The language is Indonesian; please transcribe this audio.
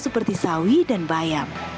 seperti sawi dan bayam